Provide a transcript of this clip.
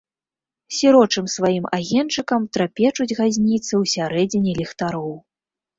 Сірочым сваім агеньчыкам трапечуць газніцы ў сярэдзіне ліхтароў.